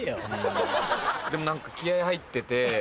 でも何か気合入ってて。